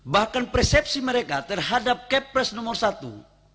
bahkan persepsi mereka terhadap kepres nomor satu